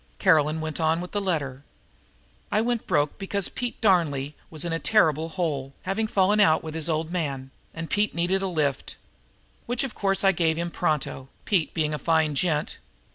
Caroline went on with the letter: "I went broke because Pete Darnely was in a terrible hole, having fallen out with his old man, and Pete needed a lift. Which of course I gave him pronto, Pete being a fine gent."